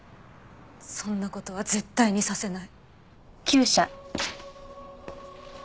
そんな事は絶対にさせない。